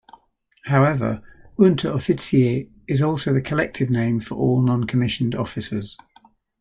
However, "Unteroffizier" is also the collective name for all non-commissioned officers.